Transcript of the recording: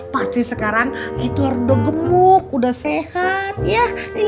pasti sekarang itu udah gemuk udah sehat ya